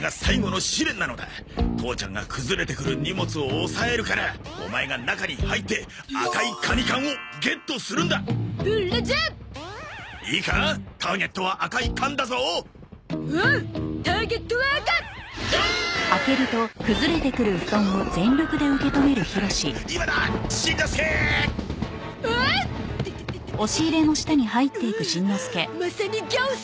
まさにギャオスな空間！